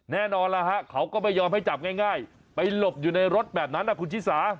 แน่นอนแล้วฮะเขาก็ไม่ยอมให้จับง่ายไปหลบอยู่ในรถแบบนั้นนะคุณชิสา